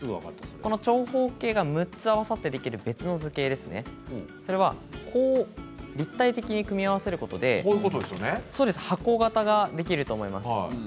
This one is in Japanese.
この長方形が６つ合わさってできる別の図形立体的に組み合わせることで箱型ができると思います。